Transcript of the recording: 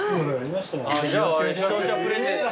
じゃあ視聴者プレゼント。